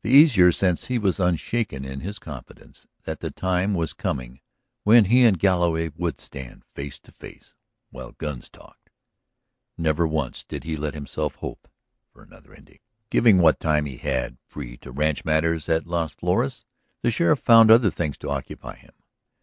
The easier since he was unshaken in his confidence that the time was coming when he and Galloway would stand face to face while guns talked. Never once did he let himself hope for another ending. Giving what time he had free to ranch matters at Las Flores the sheriff found other things to occupy him.